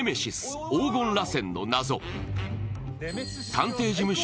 探偵事務所